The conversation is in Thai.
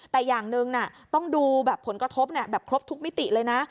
แต่อย่างหนึ่งต้องดูแบบผลกระทบแบบครบทุกมิติเลยนะ